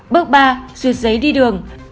bước ba duyệt giấy đi đường